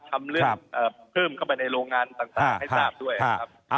ทำเรื่องเพิ่มเข้าไปในโรงงานต่างให้ทราบด้วยครับ